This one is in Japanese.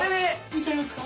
見ちゃいますか？